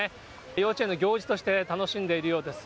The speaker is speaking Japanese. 幼稚園の行事として楽しんでいるようです。